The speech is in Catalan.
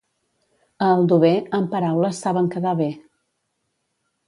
A Aldover, amb paraules saben quedar bé.